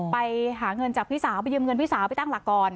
ไปหาเงินจากพี่สาวไปยืมเงินพี่สาวไปตั้งหลักก่อน